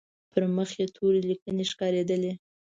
پر مخ يې تورې ليکې ښکارېدلې.